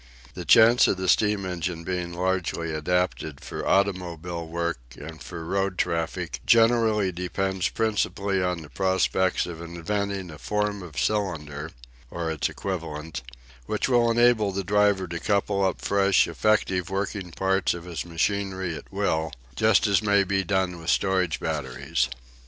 The chance of the steam engine being largely adopted for automobile work and for road traffic generally depends principally on the prospects of inventing a form of cylinder or its equivalent which will enable the driver to couple up fresh effective working parts of his machinery at will, just as may be done with storage batteries.